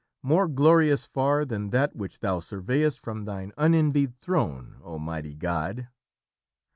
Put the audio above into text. More glorious far than that which thou surveyest From thine unenvied throne, O, Mighty God!